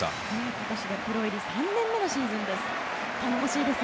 今年でプロ入り３年目のシーズンです。